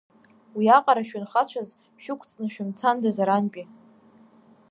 Уи аҟара шәанхацәаз шәықәҵны шәымцандаз арантәи.